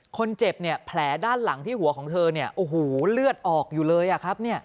คนเจ็บเนี่ยแผลด้านหลังที่หัวของเธอเนี่ยโอ้โหเลือดออกอยู่เลยครับ